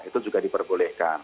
itu juga diperbolehkan